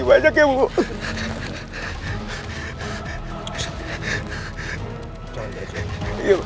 saya cinta semua justru